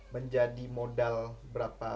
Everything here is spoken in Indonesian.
menjadi modal berapa